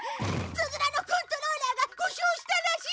ツヅラのコントローラーが故障したらしい！